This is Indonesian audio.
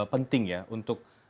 penting ya untuk